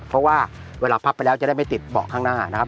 เพราะว่าเวลาพับไปแล้วจะได้ไม่ติดเบาะข้างหน้านะครับ